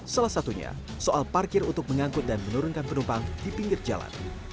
salah satunya soal parkir untuk mengangkut dan menurunkan penumpang di pinggir jalan